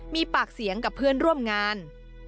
มีปากเสียงกับเพื่อนร่วมงาน